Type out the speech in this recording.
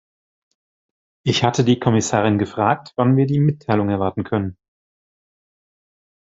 Ich hatte die Kommissarin gefragt, wann wir die Mitteilung erwarten können.